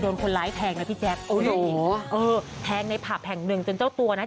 โดนคนไลก์แทงนะพี่แจ๊บโอ้โหเทงในผัพแถงหนึ่งจนเจ้าตัวน่ะเจ็บ